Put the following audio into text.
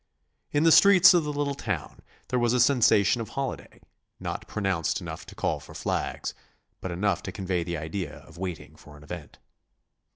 In the streets of the little town there was a sensation of holiday, not pronounced enough to call for flags, but enough to convey the idea of waiting for an event.